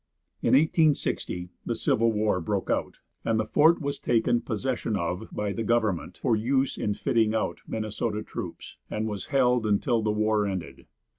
In 1860 the Civil War broke out, and the fort was taken possession of by the government for use in fitting out Minnesota troops, and was held until the war ended.